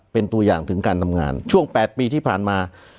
เป็นตัวอย่างถึงการทำงานช่วง๘ปีที่ผ่านมา